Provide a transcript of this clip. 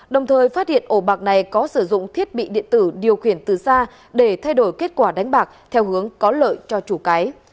đồng thời phát hiện ổ bạc này có sử dụng thiết bị điện tử điều khiển từ xa để thay đổi kết quả đánh bạc theo hướng có lợi cho chủ cái